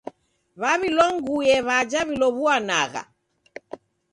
W'awilonguye w'aja w'ilow'uanagha.